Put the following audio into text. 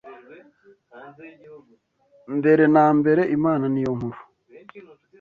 Mbere na mbere, Imana niyo nkuru